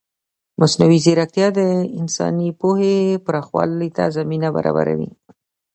مصنوعي ځیرکتیا د انساني پوهې پراخولو ته زمینه برابروي.